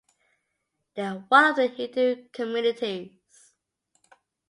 They are one of the Hindu communities.